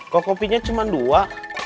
kok kopinya cuma dua